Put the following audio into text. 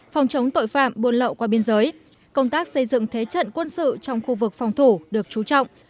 phòng chống tội phạm buôn lậu qua biên giới công tác xây dựng thế trận quân sự trong khu vực phòng thủ được trú trọng